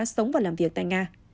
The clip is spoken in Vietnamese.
sống và làm việc tại nga